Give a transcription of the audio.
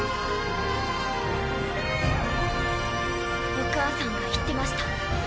お母さんが言ってました。